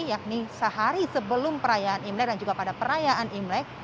yakni sehari sebelum perayaan imlek dan juga pada perayaan imlek